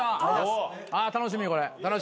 楽しみこれ。